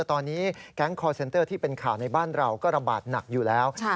ตอนนี้แก๊งคอร์เซ็นเตอร์ที่เป็นข่าวในบ้านเราก็ระบาดหนักอยู่แล้ว